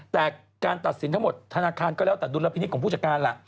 แต่การตัดสินทั้งหมดธนาคารก็แล้วแต่ดุลพินิษฐ์ของผู้จัดการล่ะ